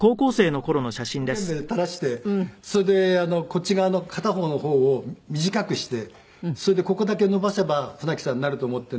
これ前髪一生懸命垂らしてそれでこっち側の片方の方を短くしてそれでここだけ伸ばせば舟木さんになると思って。